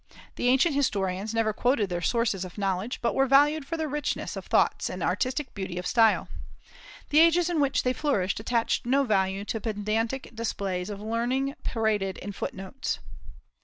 The ancient historians never quoted their sources of knowledge, but were valued for their richness of thoughts and artistic beauty of style. The ages in which they flourished attached no value to pedantic displays of learning paraded in foot notes.